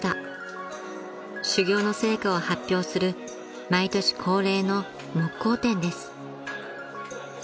［修業の成果を発表する毎年恒例の木工展です］